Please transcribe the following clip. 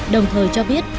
đồng thời cho biết